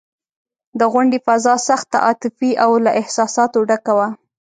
د غونډې فضا سخته عاطفي او له احساساتو ډکه وه.